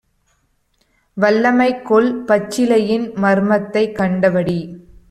"வல்லமைகொள் பச்சிலையின் மர்மத்தைக் கண்டபடி